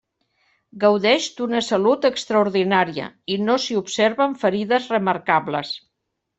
Gaudeix d'una salut extraordinària i no s'hi observen ferides remarcables.